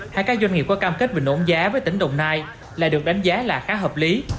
hai các doanh nghiệp có cam kết về nổn giá với tỉnh đồng nai lại được đánh giá là khá hợp lý